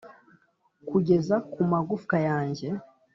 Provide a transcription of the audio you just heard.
kugeza ku magufwa yanjye